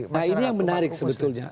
nah ini yang menarik sebetulnya